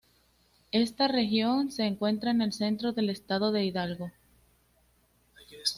Esta región se encuentra en el centro del Estado de Hidalgo.